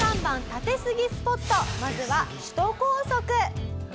まずは首都高速。